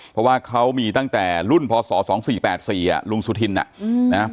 เพราะว่าเขามีตั้งแต่รุ่นพศ๒๔๘๔อ่ะหลวงสุทินน่ะอืม